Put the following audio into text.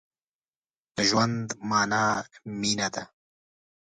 د ژوند مانا مينه ده.